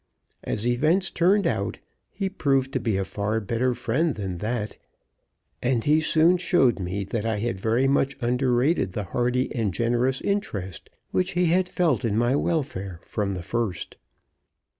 As events turned out, he proved to be a far better friend than that, and he soon showed me that I had very much underrated the hearty and generous interest which he had felt in my welfare from the first.